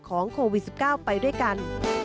โควิด๑๙ไปด้วยกัน